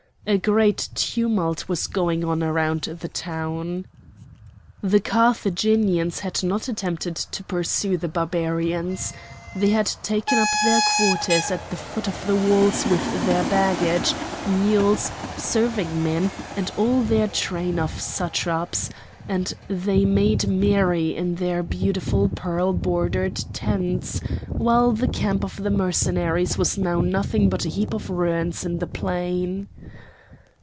A great tumult was going on around the town. The Carthaginians had not attempted to pursue the Barbarians. They had taken up their quarters at the foot of the walls with their baggage, mules, serving men, and all their train of satraps; and they made merry in their beautiful pearl bordered tents, while the camp of the Mercenaries was now nothing but a heap of ruins in the plain.